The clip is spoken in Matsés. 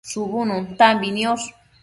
shubu nuntambi niosh